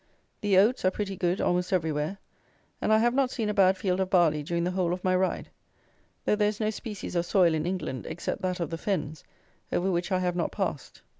The oats are pretty good almost everywhere; and I have not seen a bad field of barley during the whole of my ride; though there is no species of soil in England, except that of the fens, over which I have not passed.